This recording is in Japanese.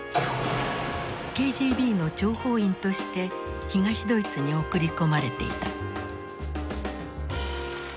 ＫＧＢの諜報員として東ドイツに送り込まれていた。